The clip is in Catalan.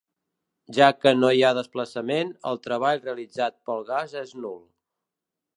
Ja que no hi ha desplaçament el treball realitzat pel gas és nul.